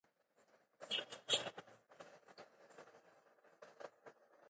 تعلیم د کورني شخړو د هواري وسیله ده.